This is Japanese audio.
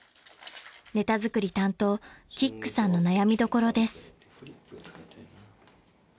［ネタ作り担当キックさんの悩みどころです］